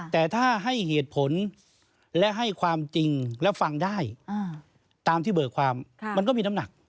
แต่ถ้าให้เหตุผลและให้ความจริงและฟังได้ตามที่เบิกความมันก็มีน้ำหนัก